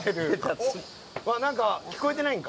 何か聞こえてないんか。